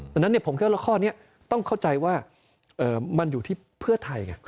ดังนั้นผมคิดว่าข้อนี้ต้องเข้าใจว่ามันอยู่ที่เพื่อไทยไง